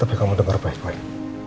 tapi kamu dengar baik baik